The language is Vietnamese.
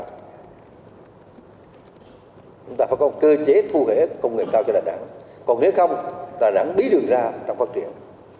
chúng ta phải có cơ chế thu ghé công nghệ cao cho đà nẵng còn nếu không đà nẵng bí đường ra trong phát triển